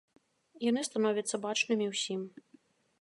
Яны становяцца бачнымі ўсім.